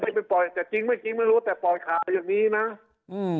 ไม่เป็นปล่อยแต่จริงไม่จริงไม่รู้แต่ปล่อยขาอย่างนี้นะอืม